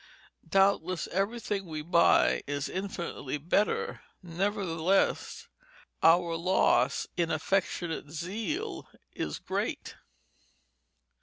Doubtless everything we buy is infinitely better; nevertheless, our loss in affectionate zeal is great.